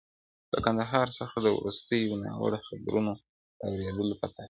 له کندهاره څخه د وروستیو ناوړه خبرونو د اورېدلو په تأثر!!..